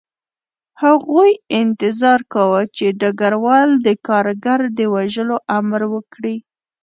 هغوی انتظار کاوه چې ډګروال د کارګر د وژلو امر وکړي